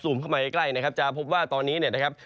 สูมเข้ามาใกล้จะพบว่าตอนนี้